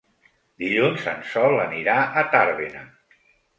Dilluns en Sol anirà a Tàrbena.